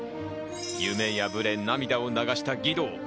夢破れ、涙を流した義堂。